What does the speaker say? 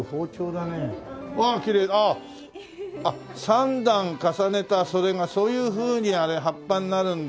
３段重ねたそれがそういうふうに葉っぱになるんだ。